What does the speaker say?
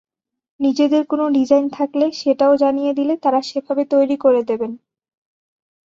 নিজেদের কোনো ডিজাইন থাকলে সেটাও জানিয়ে দিলে তাঁরা সেভাবে তৈরি করে দেবেন।